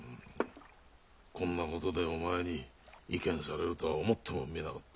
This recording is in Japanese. こんな事でお前に意見されるとは思ってもみなかったよ。